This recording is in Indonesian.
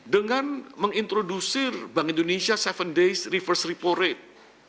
dengan mengintrodusir bank indonesia tujuh days reverse repo rate